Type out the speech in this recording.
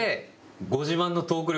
「ご自慢のトーク力」！